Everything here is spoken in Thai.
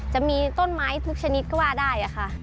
จะมีต้นไม้ทุกชนิดก็ว่าได้ค่ะ